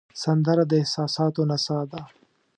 سندره د احساساتو نڅا ده